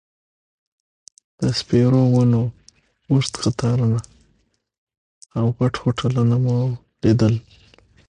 د سپیرو ونو اوږد قطارونه او غټ هوټلونه مو لیدل.